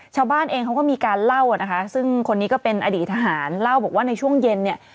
ชาวบ้านเองเขาก็มีการเล่านะคะซึ่งคนนี้ก็เป็นอดีตทหารเล่าบอกว่าในช่วงเย็นเนี่ย